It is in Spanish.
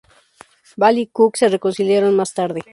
Ball y Cook se reconciliaron más tarde.